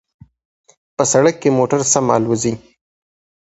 په سړک کې موټر سم الوزي